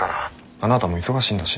あなたも忙しいんだし。